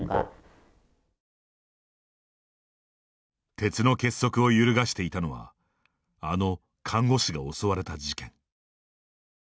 鉄の結束を揺るがしていたのはあの、看護師が襲われた事件。